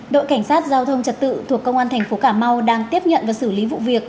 đội cảnh sát giao thông trật tự thuộc công an thành phố cà mau đang tiếp nhận và xử lý vụ việc